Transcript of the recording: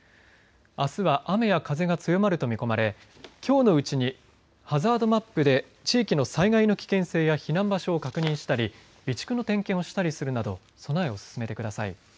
あすは雨や風が強まると見込まれきょうのうちにハザードマップで地域の災害の危険性や避難場所を確認したり備蓄の点検をしたりするなど備えを進めてください。